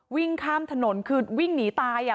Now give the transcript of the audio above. วิ่งข้ามถนนคือวิ่งหนีตาย